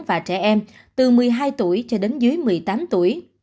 và trẻ em từ một mươi hai tuổi cho đến dưới một mươi tám tuổi